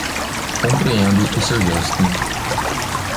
Compreendo o seu gesto